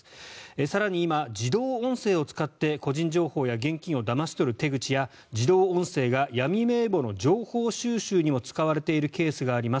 更に今、自動音声を使って個人情報や現金をだまし取る手口や自動音声が闇名簿の情報収集にも使われているケースがあります。